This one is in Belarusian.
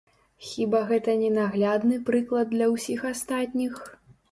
Хіба гэта не наглядны прыклад для ўсіх астатніх?